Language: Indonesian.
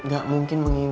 gak mungkin menginginkan lo